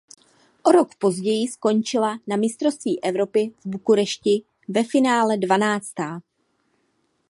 O rok později skončila na mistrovství Evropy v Budapešti ve finále dvanáctá.